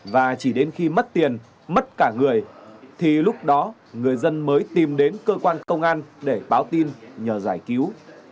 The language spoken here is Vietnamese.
và chỉ đến khi mất tiền mất cả người thì lúc đó người dân mới tìm đến cơ quan công an để báo tin nhờ giải cứu